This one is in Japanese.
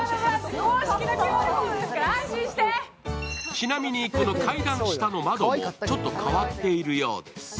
ちなみにこの階段下の窓もちょっと変わっているようです。